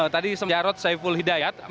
tadi semuanya arot saiful hidayat